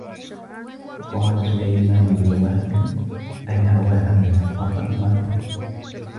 وَقَالَ سُلَيْمَانُ بْنُ وَهْبٍ الْهَوَى أَمْنَعُ ، وَالرَّأْيُ أَنْفَعُ